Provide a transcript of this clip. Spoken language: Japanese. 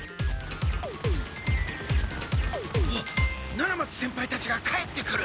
七松先輩たちが帰ってくる！